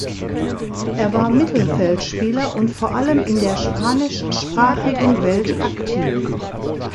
Er war Mittelfeldspieler und vor allem in der spanischsprachigen Welt aktiv.